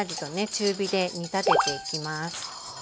中火で煮立てていきます。